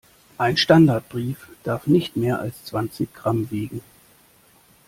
Ein Standardbrief darf nicht mehr als zwanzig Gramm wiegen.